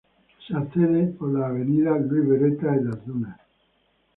Se accede por la avenidas Luis Beretta y Las Dunas.